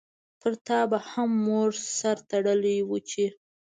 پرتا به هم مور سر تړلی وو چی